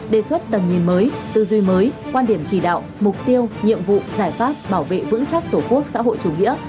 đề xuất tầm nhìn mới tư duy mới quan điểm chỉ đạo mục tiêu nhiệm vụ giải pháp bảo vệ vững chắc tổ quốc xã hội chủ nghĩa